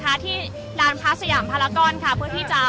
อาจจะออกมาใช้สิทธิ์กันแล้วก็จะอยู่ยาวถึงในข้ามคืนนี้เลยนะคะ